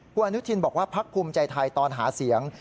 คุณอนุทินบอกว่าพักภูมิใจไทยตอนหาเสียง